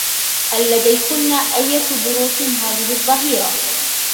هل لديكنّ أيّة دروس هذه الظّهيرة؟